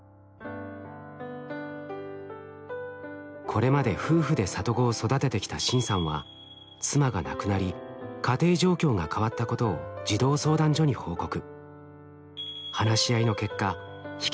これまで夫婦で里子を育ててきたシンさんは妻が亡くなり家庭状況が変わったことを児童相談所に報告。